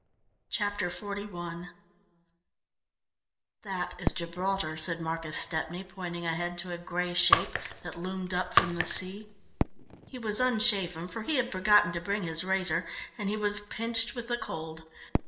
Chapter XLI "That is Gibraltar," said Marcus Stepney, pointing ahead to a grey shape that loomed up from the sea. He was unshaven for he had forgotten to bring his razor and he was pinched with the cold.